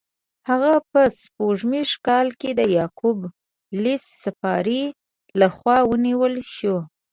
هغه په سپوږمیز کال کې د یعقوب لیث صفاري له خوا ونیول شو.